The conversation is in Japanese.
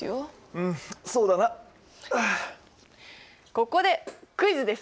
ここでクイズです。